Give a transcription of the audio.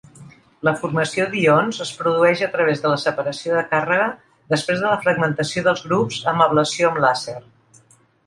La formació d'ions es produeix a través de la separació de càrrega després de la fragmentació dels grups amb ablació amb làser.